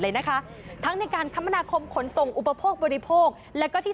เลยนะคะทั้งในการคมนาคมขนส่งอุปโภคบริโภคแล้วก็ที่